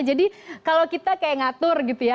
jadi kalau kita kayak ngatur gitu ya